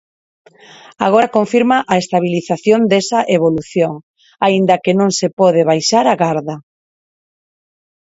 Agora confirma a estabilización desa evolución, aínda que non se pode baixar a garda.